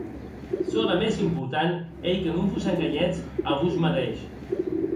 Çò de mès important ei que non vos enganhetz a vos madeish.